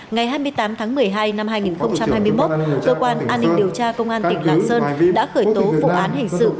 ngày hai mươi tám tháng một mươi hai năm hai nghìn hai mươi một cơ quan an ninh điều tra công an tỉnh lạng sơn đã khởi tố vụ án hình sự